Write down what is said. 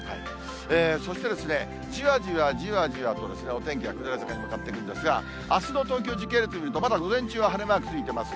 そして、じわじわじわじわと、お天気が下り坂へ向かっていくんですが、あすの東京、時系列で見ると、まだ午前中は晴れマークついてます。